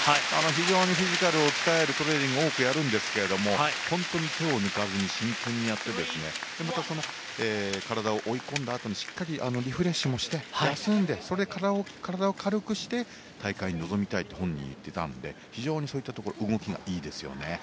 非常にフィジカルを鍛えるトレーニングを多くやるんですが本当に手を抜かずに真剣にやってまた、体を追い込んだあとにしっかりリフレッシュもして、休んで体を軽くして大会に臨みたいと本人は言っていたので非常に動きがいいですね。